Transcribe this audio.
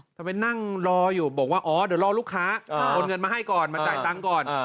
ไปนั่งรออยู่บอกว่าอ๋อเดี๋ยวรอลูกค้าโอนเงินมาให้ก่อนมาจ่ายตังค์ก่อน